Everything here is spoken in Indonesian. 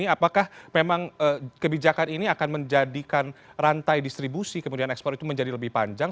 apakah memang kebijakan ini akan menjadikan rantai distribusi kemudian ekspor itu menjadi lebih panjang